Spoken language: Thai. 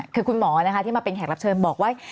คือคุณหมอนะคะที่มาเป็นแขกรับเชิญบอกว่า